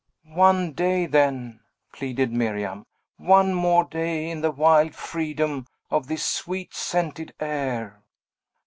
"One day, then!" pleaded Miriam. "One more day in the wild freedom of this sweet scented air."